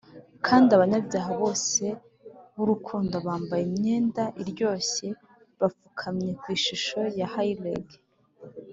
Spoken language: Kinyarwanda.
kandi abanyabyaha bose b'urukundo bambaye imyenda iryoshye bapfukamye ku ishusho ya hyleg,